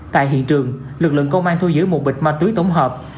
tại hiện trường lực lượng công an thu giữ một bịch ma túy tổng hợp